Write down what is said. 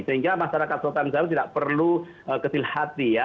sehingga masyarakat selatan jawa tidak perlu kecil hati ya